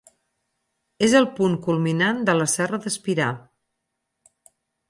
És el punt culminant de la Serra d'Espirà.